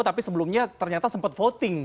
tapi sebelumnya ternyata sempat voting